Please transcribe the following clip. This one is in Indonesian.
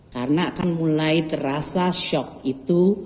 karena akan mulai terasa shock itu